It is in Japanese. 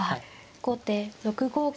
後手６五桂馬。